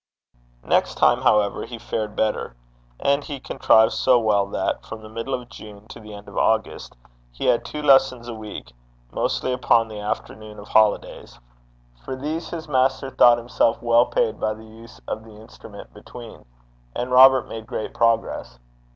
Next time, however, he fared better; and he contrived so well that, from the middle of June to the end of August, he had two lessons a week, mostly upon the afternoons of holidays. For these his master thought himself well paid by the use of the instrument between. And Robert made great progress.